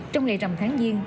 trong ngày rằm tháng giêng